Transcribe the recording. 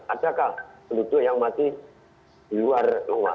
adakah penduduk yang masih luar luas